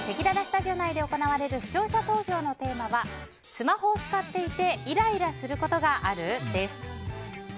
本日せきららスタジオ内で行われる視聴者投票のテーマはスマホを使っていてイライラすることがある？です。